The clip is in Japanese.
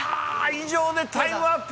以上でタイムアップ。